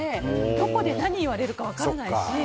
どこで何を言われるか分からないし。